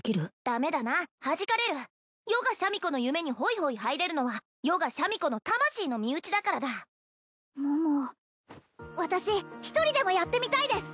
ダメだなはじかれる余がシャミ子の夢にホイホイ入れるのは余がシャミ子の魂の身内だからだ桃私１人でもやってみたいです